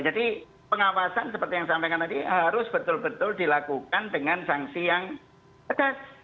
jadi pengawasan seperti yang sampaikan tadi harus betul betul dilakukan dengan sanksi yang pedas